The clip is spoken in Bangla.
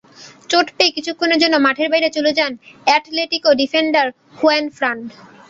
চোট পেয়ে কিছুক্ষণের জন্য মাঠের বাইরে চলে যান অ্যাটলেটিকো ডিফেন্ডার হুয়ানফ্রান।